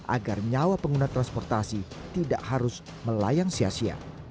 agar nyawa pengguna transportasi tidak harus melayang sia sia